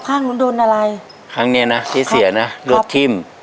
ข้างนู้นโดนอะไรข้างเนี้ยนะที่เสียนะโรคทิ้ม